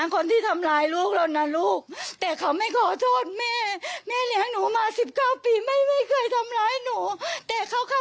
คำขอโทษน้องก็ไม่แก้ยกมือ